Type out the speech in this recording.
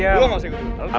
gue gak usah gitu